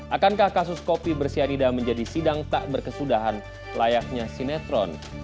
akankah kasus kopi bersianida menjadi sidang tak berkesudahan layaknya sinetron